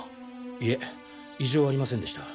いえ異常ありませんでした。